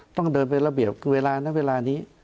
ต้องเดินเป็นระเบียบเวลานะเวลานี้